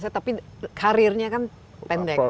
tapi karirnya kan pendek